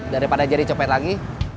daripada jadi copet lagi